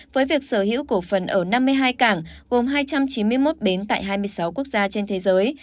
với việc sở hữu cổ phần ở năm mươi hai cảng gồm hai trăm chín mươi một bến tại hai mươi sáu quốc gia trên thế giới